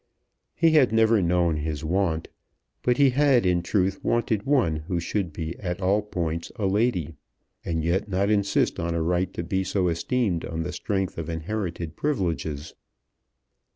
He had never known his want; but he had in truth wanted one who should be at all points a lady, and yet not insist on a right to be so esteemed on the strength of inherited privileges.